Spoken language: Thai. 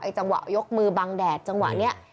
จังหวะยกมือบังแดดจังหวะนี้